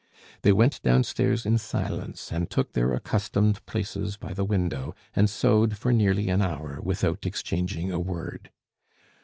They went downstairs in silence and took their accustomed places by the window and sewed for nearly an hour without exchanging a word.